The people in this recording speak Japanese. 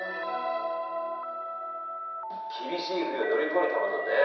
厳しい冬を乗り越えるためのね